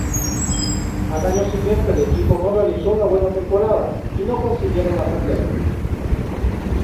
Al año siguiente el equipo no realizó una buena temporada y no consiguieron ascender.